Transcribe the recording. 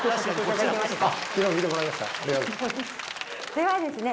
ではですね